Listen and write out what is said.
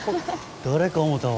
誰かぁ思たわ。